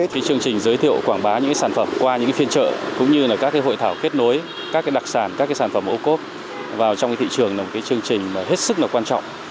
chương trình giới thiệu quảng bá những sản phẩm qua những phiên trợ cũng như các hội thảo kết nối các đặc sản các sản phẩm ô cốp vào trong thị trường là một chương trình hết sức quan trọng